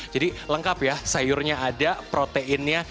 jadi lengkap ya sayurnya ada proteinnya